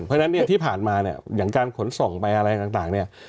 เพราะฉะนั้นเนี่ยที่ผ่านมาเนี่ยอย่างการขนส่งไปอะไรต่างเนี่ย